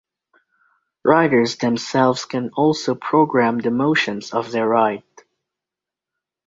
Riders themselves can also program the motions of their ride.